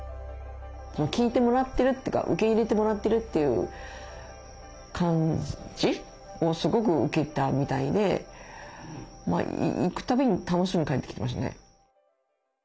聞いてもらってるというか受け入れてもらってるという感じをすごく受けたみたいで行くたびに楽しんで帰ってきてましたね。